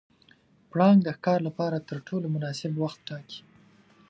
پړانګ د ښکار لپاره تر ټولو مناسب وخت ټاکي.